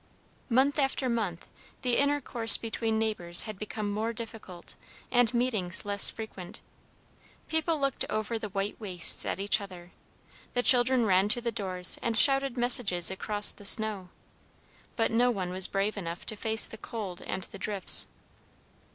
Month after month the intercourse between neighbors had become more difficult and meetings less frequent. People looked over the white wastes at each other, the children ran to the doors and shouted messages across the snow, but no one was brave enough to face the cold and the drifts.